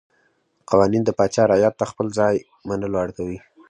قوانین د پاچا رعیت ته خپل ځای منلو اړ کوي.